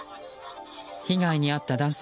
被害に遭った男性